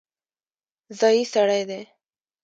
ځايي سړی دی.